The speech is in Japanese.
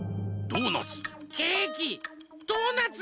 ドーナツ。